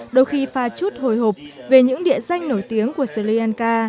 đôi khi pha chút hồi hộp về những địa danh nổi tiếng của sri lanka